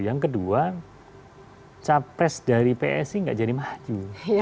yang kedua capres dari psi nggak jadi maju